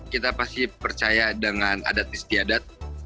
kita pasti percaya dengan adat istiadat